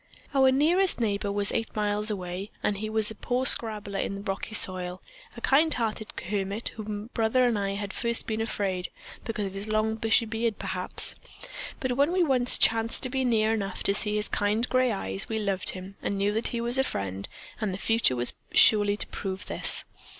"Our nearest neighbor was eight miles away, and he was but a poor scrabbler in the rocky soil, a kind hearted hermit of whom Brother and I had at first been afraid, because of his long bushy beard, perhaps, but when we once chanced to be near enough to see his kind gray eyes, we loved him and knew that he was a friend, and the future surely was to prove this.